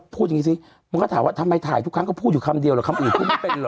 พูดอย่างนี้สิมันก็ถามว่าทำไมถ่ายทุกครั้งก็พูดอยู่คำเดียวเหรอคำอื่นพูดไม่เป็นเหรอ